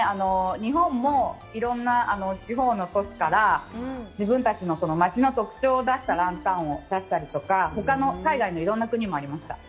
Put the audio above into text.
日本もいろんな地方の都市から自分たちの町の特徴を出したランタンを出したりとか、ほかの海外のいろんな国もありました。